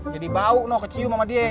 jadi bau noh kecium sama dia